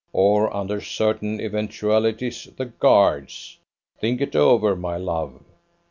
Or, under certain eventualities, the Guards. Think it over, my love.